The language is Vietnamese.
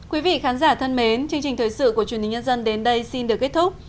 quý vị khán giả thân mến chương trình thời sự của truyền hình nhân dân đến đây xin được kết thúc